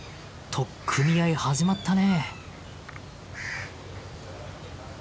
取っ組み合い始まったね！